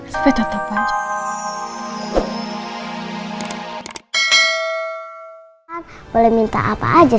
sampai tetap panjang